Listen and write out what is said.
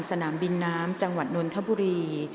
สนามบินน้ำจังหวัดนนทบุรี